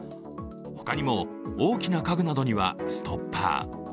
他にも大きな家具などにはストッパー。